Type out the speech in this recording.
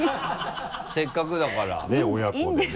せっかくだから。ねぇ親子でね。